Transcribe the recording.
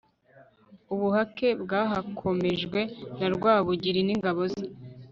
ubuhake bwahakomejwe na rwabugiri n'ingabo ze